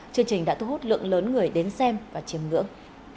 chương trình đã thu hút lượng lớn người đến xem và chiếm ngưỡng